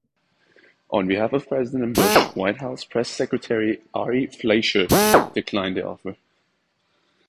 On behalf of President Bush, White House Press Secretary Ari Fleischer declined the offer.